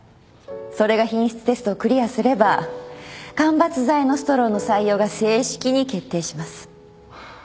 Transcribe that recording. それが品質テストをクリアすれば間伐材のストローの採用が正式に決定します。